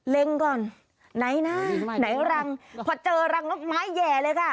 ก่อนไหนนะไหนรังพอเจอรังนกไม้แห่เลยค่ะ